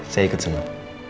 saya ikut semua